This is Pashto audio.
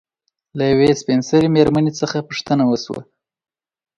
له يوې سپين سري مېرمنې نه پوښتنه وشوه